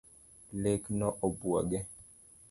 Lek no obuoge